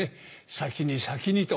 先に先にと。